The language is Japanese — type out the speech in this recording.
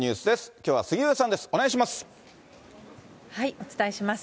きょうは杉上さんです。